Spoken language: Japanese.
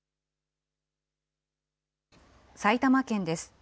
埼玉県です。